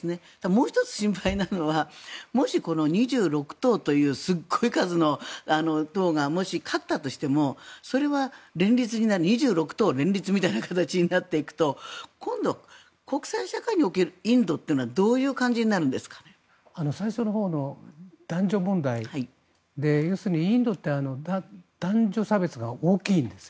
もう１つ心配なのはもし、この２６党というすごい数の党がもし勝ったとしても２６党連立みたいな形になっていくと今度、国際社会におけるインドというのは最初のほうの男女問題要するにインドって男女差別が大きいんです。